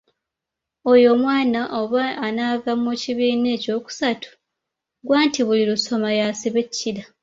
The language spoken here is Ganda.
"Oyo omwana oba anaava mu kibiina eky’okusatu, ggwe anti buli lusoma y'asiba ekkira."